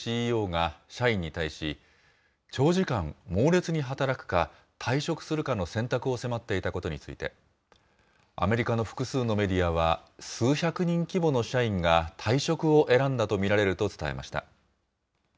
ＣＥＯが社員に対し、長時間猛烈に働くか、退職するかの選択を迫っていたことについて、アメリカの複数のメディアは、数百人規模の社員が退職を選んだと見られると伝えました。